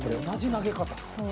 同じ投げ方。